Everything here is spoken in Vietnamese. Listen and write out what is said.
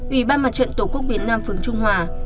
ubndtq việt nam phường trung hòa